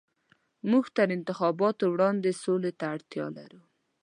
موږ تر انتخاباتو وړاندې سولې ته اړتيا لرو.